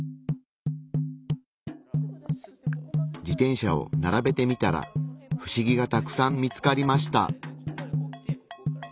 自転車をならべてみたらフシギがたくさん見つかりました。